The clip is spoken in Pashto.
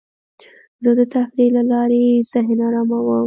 زه د تفریح له لارې ذهن اراموم.